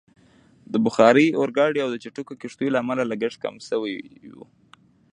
د بخار اورګاډي او چټکو کښتیو له امله لګښت کم شوی وو.